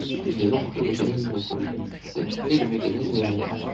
Il y a donc le mécanisme pour l’hépatite C et le mécanisme général.